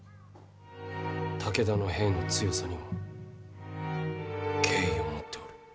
武田の兵の強さには敬意を持っておる。